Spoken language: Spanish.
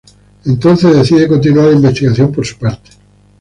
Entonces, decide continuar la investigación por su parte.